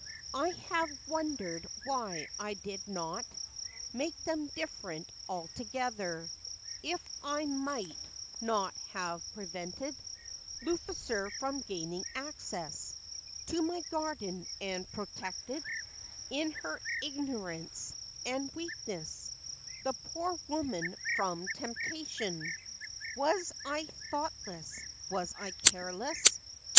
I have wondered why I did not Make them different, altogether; If I might not have prevented Lucifer from gaining access To my garden, and protected, In her ignorance and weakness, The poor woman from temptation! Was I thoughtless? was I careless?